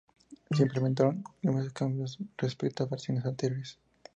Se implementaron numerosos cambios respecto a versiones anteriores.